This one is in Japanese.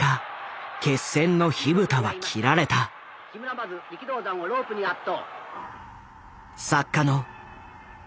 まず力道山をロープに圧倒。